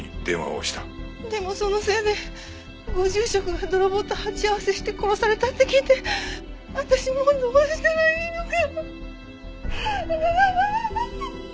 でもそのせいでご住職が泥棒と鉢合わせして殺されたって聞いて私もうどうしたらいいのか。